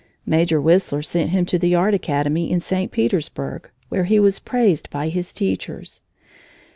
Major Whistler sent him to the Art Academy in St. Petersburg, where he was praised by his teachers.